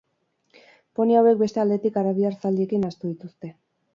Poni hauek beste aldetik arabiar zaldiekin nahastu dituzte.